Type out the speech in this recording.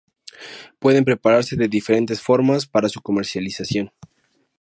Pueden prepararse de diferentes formas para su comercialización.